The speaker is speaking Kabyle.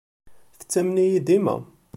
Tettamen-iyi dima.